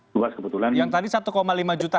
luas kebetulan yang tadi satu lima juta